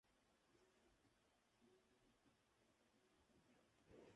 Fue lanzado una semana antes que el disco.